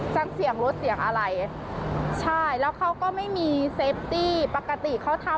จังเสี่ยงรถเสี่ยงอะไร